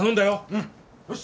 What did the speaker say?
うん！よし！